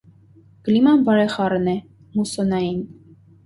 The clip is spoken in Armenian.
Կլիման բարեխառն է, մուսսոնային։